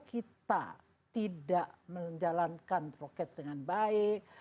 kita tidak menjalankan prokes dengan baik